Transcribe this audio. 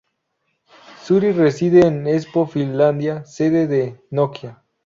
Suri reside en Espoo, Finlandia, sede de Nokia.